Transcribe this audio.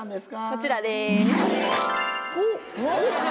こちらです。